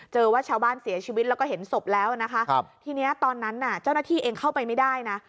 ว่าชาวบ้านเสียชีวิตแล้วก็เห็นศพแล้วนะคะทีนี้ตอนนั้นน่ะเจ้าหน้าที่เองเข้าไปไม่ได้นะ